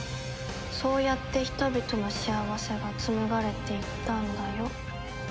「そうやって人々の幸せが紡がれていったんだよ」